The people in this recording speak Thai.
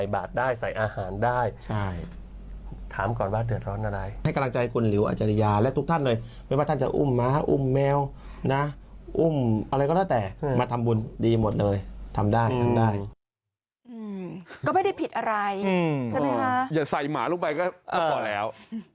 อย่าใส่หมาลงไปก็พอแล้ว